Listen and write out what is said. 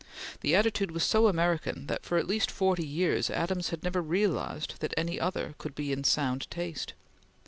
The attitude was so American that, for at least forty years, Adams had never realized that any other could be in sound taste.